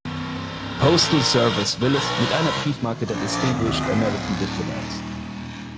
Postal Service Willis mit einer Briefmarke der „Distinguished American Diplomats“.